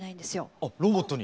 あロボットに？